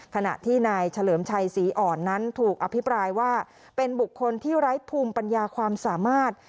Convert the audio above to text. ขณะที่นายเฉลิมชัยศรีอ่อนนั้นถูกอภิปรายว่าเป็นบุคคลที่ไร้ภูมิปัญญาความสามารถ